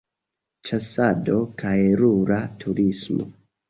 Ĉasado kaj rura turismo.